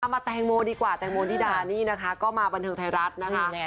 มาแตงโมดีกว่าแตงโมนิดานี่นะคะก็มาบันเทิงไทยรัฐนะคะ